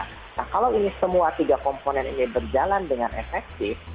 nah kalau ini semua tiga komponen ini berjalan dengan efektif